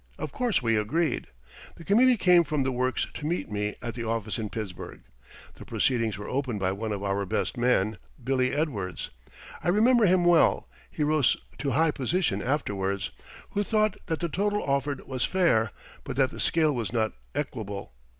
Of course we agreed. The committee came from the works to meet me at the office in Pittsburgh. The proceedings were opened by one of our best men, Billy Edwards (I remember him well; he rose to high position afterwards), who thought that the total offered was fair, but that the scale was not equable.